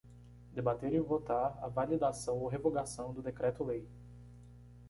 Debater e votar a validação ou revogação do decreto-lei.